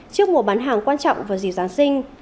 trước mùa bán hàng quan trọng vào dịp giáng sinh